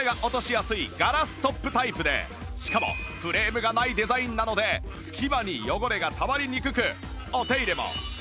しかもフレームがないデザインなので隙間に汚れがたまりにくく